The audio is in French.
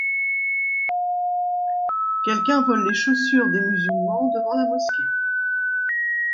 Quelqu'un vole les chaussures des musulmans devants la mosquée.